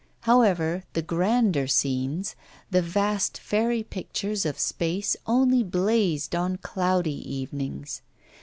However, the grander scenes, the vast fairy pictures of space only blazed on cloudy evenings.